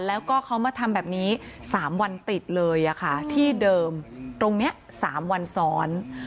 แล้วก็เขามาทำแบบนี้๓วันติดเลยที่เดิมตรงนี้๓วันซ้อน